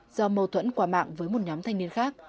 do mâu thuẫn qua mạng với một nhóm thanh niên khác